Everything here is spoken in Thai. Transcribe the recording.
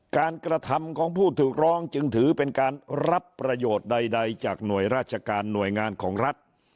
กระทำของผู้ถูกร้องจึงถือเป็นการรับประโยชน์ใดจากหน่วยราชการหน่วยงานของรัฐ